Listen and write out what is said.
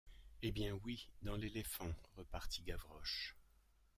Eh bien oui, dans l’éléphant! repartit Gavroche.